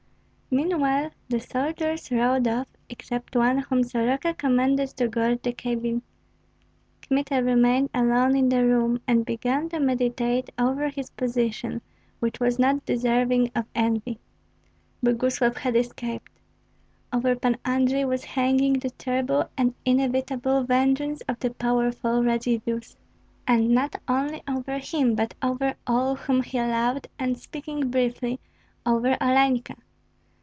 Meanwhile the soldiers rode off, except one, whom Soroka commanded to guard the cabin. Kmita remained alone in the room, and began to meditate over his position, which was not deserving of envy. Boguslav had escaped. Over Pan Andrei was hanging the terrible and inevitable vengeance of the powerful Radzivills. And not only over him, but over all whom he loved, and speaking briefly, over Olenka.